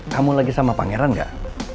kamu lagi sama pangeran gak